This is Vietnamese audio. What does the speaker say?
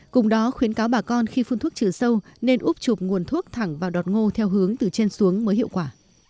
cùng đó khuyến cáo bà con khi phun thuốc trừ sâu nên úp chụp nguồn thuốc thẳng vào đọt ngô theo hướng từ trên xuống mới hiệu quả